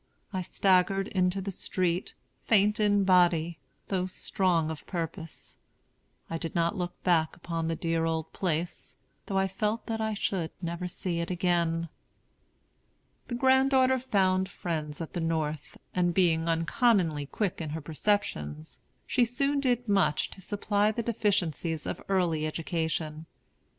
I staggered into the street, faint in body, though strong of purpose. I did not look back upon the dear old place, though I felt that I should never see it again." [The granddaughter found friends at the North, and, being uncommonly quick in her perceptions, she soon did much to supply the deficiencies of early education.